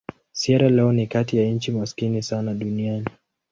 Sierra Leone ni kati ya nchi maskini sana duniani.